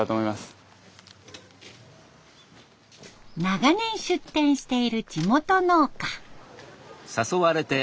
長年出店している地元農家。